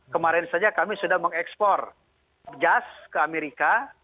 kemarin saja kami sudah mengekspor jas ke amerika